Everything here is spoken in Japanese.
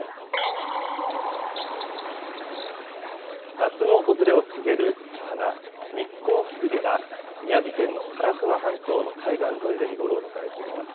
夏の訪れを告げる花、ニッコウキスゲが宮城県の唐桑半島の海岸沿いで見頃を迎えています。